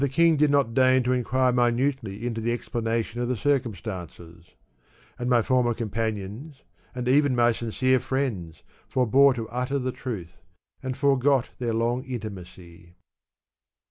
king did not deign to inquire minutely into the explana tion of the circumstances ; and my former companions, and even my sincere friends, forbore to utter the truth, and forgot their long intimacy.